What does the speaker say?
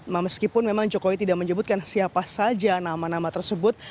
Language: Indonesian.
meskipun memang jokowi tidak menyebutkan siapa saja nama nama tersebut